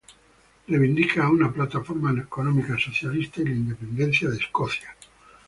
Reivindica una plataforma económica socialista y la independencia de Escocia.